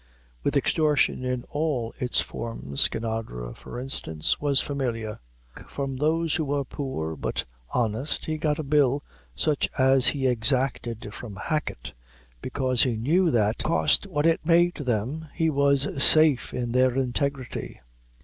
With extortion in all its forms Skinadre, for instance, was familiar. From those who were poor but honest, he got a bill such as he exacted from Hacket, because he knew that, cost what it might to them, he was safe in their integrity.